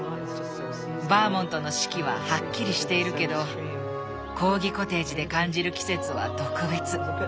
バーモントの四季ははっきりしているけどコーギコテージで感じる季節は特別。